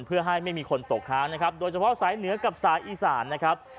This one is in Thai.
เพื่อให้ไม่มีคนตกค้างนะครับโดยเฉพาะสายเหนือกับสายอีสานนะครับ